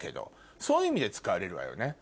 そういう意味で使われるわよね。